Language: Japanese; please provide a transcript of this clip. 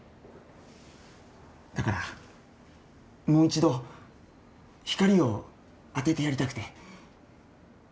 だからもう１度光を当ててやりたくて。